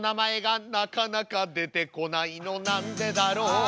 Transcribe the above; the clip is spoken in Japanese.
「なかなか出てこないのなんでだろう」